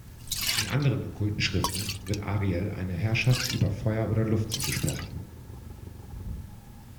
In anderen okkulten Schriften wird Ariel eine Herrschaft über Feuer oder Luft zugesprochen.